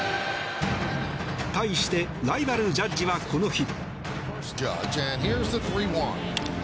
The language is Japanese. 対してライバル、ジャッジはこの日。